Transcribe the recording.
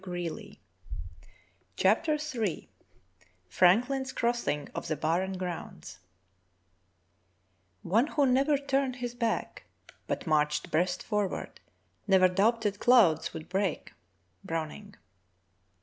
FRANKLIN'S CROSSING OF THE BARREN GROUNDS FRANKLIN'S CROSSING OF THE BARREN GROUNDS "One who never turned his back, But marched breast forward, Never doubted clouds would break." — Browning.